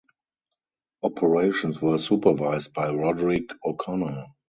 Operations were supervised by Roderic O'Connor.